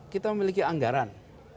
kita memiliki anggaran